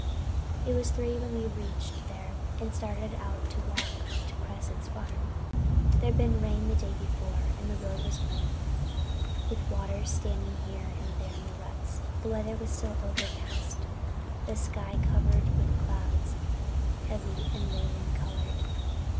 It was three when we reached there and started out to walk to Cresset's Farm. There'd been rain the day before and the road was muddy, with water standing here and there in the ruts. The weather was still overcast, the sky covered with clouds, heavy and leaden colored.